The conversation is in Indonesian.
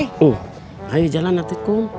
oh nggak ada jalan atik kum